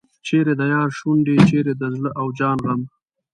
چیرې د یار شونډې چیرې د زړه او جان غم.